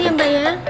ini mbak semuanya